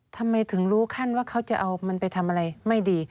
ทำไมถึงรู้ขั้นว่าเขาจะเอามันไปทำอะไรไม่ดี